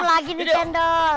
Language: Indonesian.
pintar lagi nih jendol